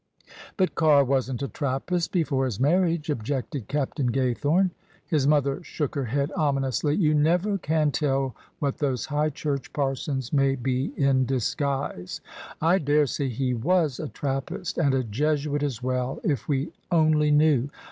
" But Carr wasn't a Trappist before his marriage," ob jected Captain Gaythome. His mother shook her head ominously. " You never can tell what those high church parsons may be in disguise. I dare say he was a Trappist and a Jesuit as welli if we only knew.